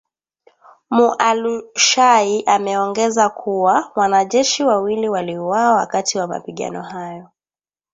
Mualushayi ameongeza kuwa, wanajeshi wawili waliuawa wakati wa mapigano hayo